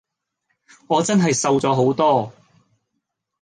我真係瘦咗好多！